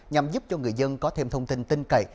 nhằm giúp cho người dân có thêm thông tin tinh cậy